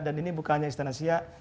dan ini bukannya istana siak